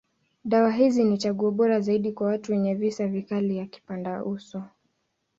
Dawa hizi ni chaguo bora zaidi kwa watu wenye visa vikali ya kipandauso.